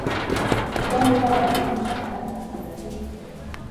دا میوه د وینې شکر کنټرولوي.